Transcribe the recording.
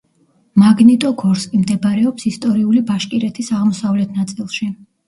მაგნიტოგორსკი მდებარეობს ისტორიული ბაშკირეთის აღმოსავლეთ ნაწილში.